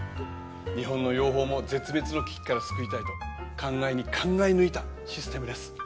日本の養蜂も絶滅の危機から救いたいと考えに考えぬいたシステムです。